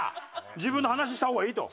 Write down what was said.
自分の話した方がいいと。